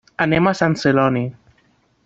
Anem a Sant Celoni.